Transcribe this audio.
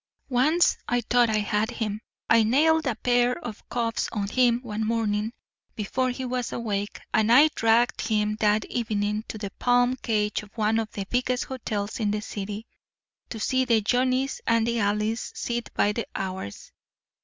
"Once I thought I had him. I nailed a pair of cuffs on him one morning before he was awake; and I dragged him that evening to the palm cage of one of the biggest hotels in the city—to see the Johnnies and the Alice sit by the hours.